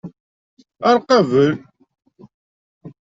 Ar qabel!